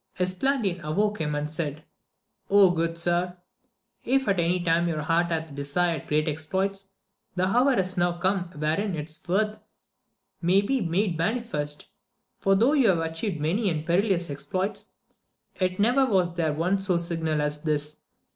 Esplandian aw^oke him, and said, good sir, if at any time your heart hath desired great exploits, the hour is now come wherein its worth may be made manifest ; for though you have atchieved many and perilous exploits, yet never was there one so signal as this.